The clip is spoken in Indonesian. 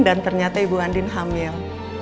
dan ternyata ibu andin hamil